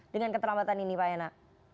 dengan keterlambatan ini pak yana